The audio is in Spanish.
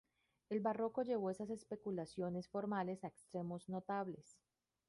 El Barroco llevó esas especulaciones formales a extremos notables.